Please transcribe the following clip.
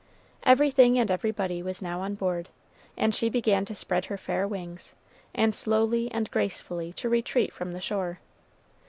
Everything and everybody was now on board, and she began to spread her fair wings, and slowly and gracefully to retreat from the shore.